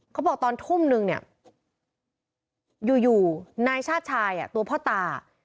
เขาบอกตอนทุ่มนึงเนี่ยอยู่นายชาติชายตัวพ่อตา